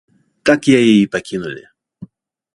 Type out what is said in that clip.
Так яе і пакінулі.